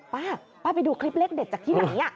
ป้าป้าไปดูคลิปเลขเด็ดจากที่ไหน